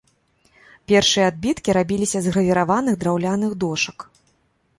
Першыя адбіткі рабіліся з гравіраваных драўляных дошак.